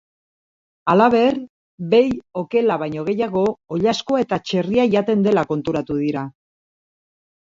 Halaber, behi okela baino gehiago oilaskoa eta txerria jaten dela konturatu dira.